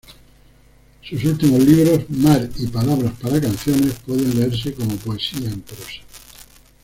Sus últimos libros, "Mar" y "Palabras para canciones" pueden leerse como poesía en prosa.